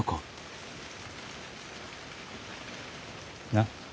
なっ？